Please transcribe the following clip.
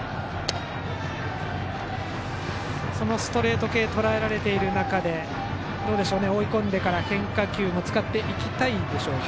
そのストレート系とらえられている中で追い込んでから変化球も使っていきたいでしょうか。